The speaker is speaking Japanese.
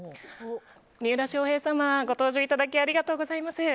三浦翔平様、ご搭乗いただきありがとうございます。